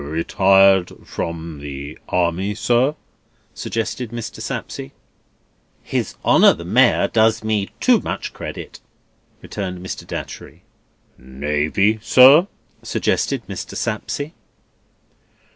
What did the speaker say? "Retired from the Army, sir?" suggested Mr. Sapsea. "His Honour the Mayor does me too much credit," returned Mr. Datchery. "Navy, sir?" suggested Mr. Sapsea.